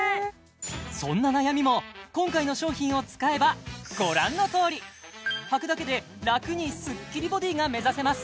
そんな悩みも今回の商品を使えばご覧のとおりはくだけで楽にスッキリボディーが目指せます